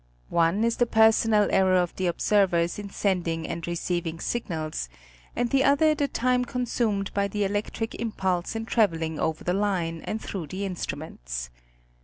One is the personal error of the observers in sending and receiving signals and the other the time consumed by the electric impulse in traveling over the line and through the instru ments.